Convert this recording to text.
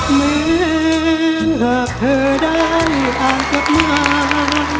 เหมือนหากเธอได้อ่านกฎหมาย